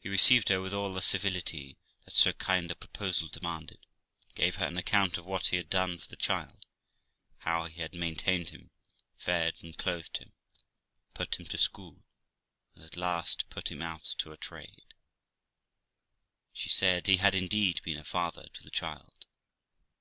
He received her with all the civility that so kind a proposal demanded, gave her an account of what he had done for the child, how he had maintained him, fed and clothed him, put him to school, and at last put him out to a trade. She said he had indeed been a father to the child.